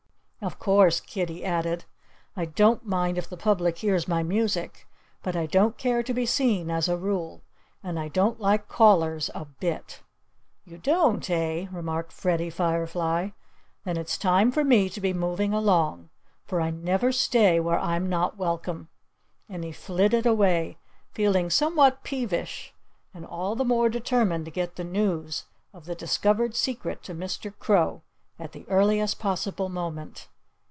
Of course," Kiddie added, "I don't mind if the public hears my music. But I don't care to be seen, as a rule. And I don't like callers a bit!" "You don't, eh?" remarked Freddie Firefly. "Then it's time for me to be moving along. For I never stay where I'm not welcome." And he flitted away, feeling somewhat peevish and all the more determined to get the news of the discovered secret to Mr. Crow at the earliest possible moment.